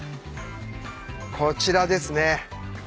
こちらですね。